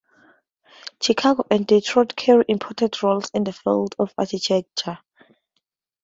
Chicago and Detroit carry important roles in the field of architecture.